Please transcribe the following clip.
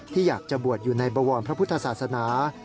ที่อยากจะบวชอยู่ในบวรพระพุทธศาสนา